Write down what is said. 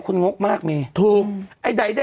ผมเป็นคนที่